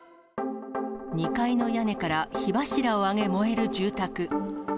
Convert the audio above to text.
２階の屋根から火柱を上げ、燃える住宅。